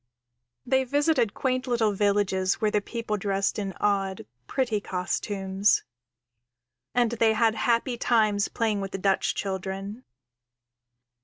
_ _They visited quaint little villages where the people dressed in odd, pretty costumes, and they had happy times playing with the Dutch children.